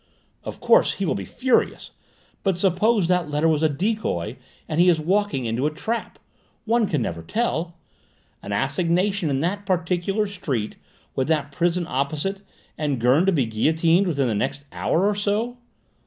Of course he will be furious, but suppose that letter was a decoy and he is walking into a trap? One never can tell. An assignation in that particular street, with that prison opposite, and Gurn to be guillotined within the next hour or so?"